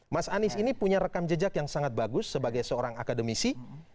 mas anies ini punya rekam jejak yang sangat bagus sebagai seorang akademisi